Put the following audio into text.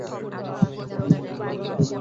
আমি তোমাকে থিয়েটারে দেখেছি।